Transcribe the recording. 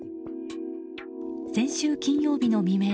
先週金曜日の未明